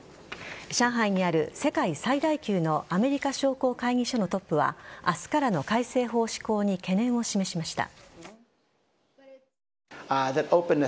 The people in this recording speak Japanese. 上海にある世界最大級のアメリカ商工会議所のトップは明日からの改正法施行に懸念を示しました。